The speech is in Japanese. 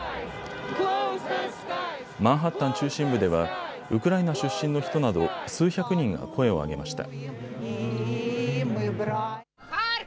マンハッタン中心部ではウクライナ出身の人など数百人が声を上げました。